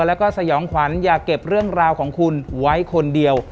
แล้วก็สยองขวัญอย่าเก็บเรื่องราวของคุณไว้คนเดียว